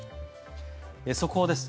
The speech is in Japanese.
速報です。